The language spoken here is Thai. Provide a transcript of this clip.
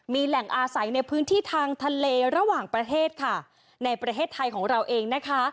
มีแหล่งอาศัยในพื้นที่ทางทะเลระหว่างประเทศค่ะในประเทศไทยของเราเองนะคะ